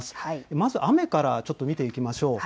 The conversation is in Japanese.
まず雨からちょっと見ていきましょう。